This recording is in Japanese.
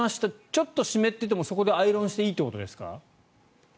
ちょっと湿っていてもそこでアイロンしていいということですか？